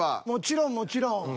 もちろんもちろん。